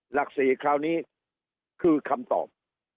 หลัก๔คราวนี้คือคำตอบ